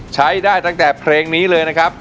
ใช้ได้ตั้งแต่เพลงนี้เลยนะครับ